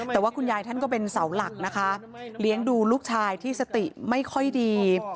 แต่ว่าคุณยายท่านก็เป็นเสาหลักนะคะเลี้ยงดูลูกชายที่สติไม่ค่อยดี